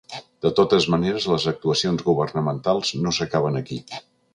De totes maneres, les actuacions governamentals no s’acaben aquí.